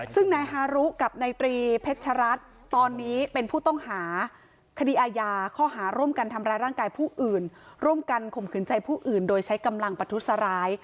ซึ่งนายฮารุกับนายตรีเพชรัตน์ตอนนี้เป็นผู้ต้องหาคดีอาญาข้อหาร่วมกันทำร้ายร่างกายผู้อื่นร่วมกันข่มขืนใจผู้อื่นโดยใช้กำลังประทุษร้าย